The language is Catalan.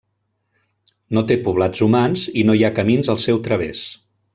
No té poblats humans i no hi ha camins al seu través.